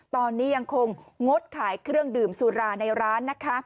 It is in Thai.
ตอนนี้ยังคงงดขายเครื่องดื่มสุราในร้านนะคะ